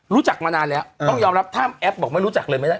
รู้จักมานานแล้วต้องยอมรับถ้าแอปบอกไม่รู้จักเลยไม่ได้